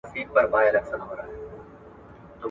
عقل په پیسو نه رانیول کېږي `